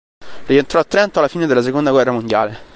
Rientrò a Trento alla fine della seconda guerra mondiale.